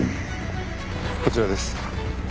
こちらです。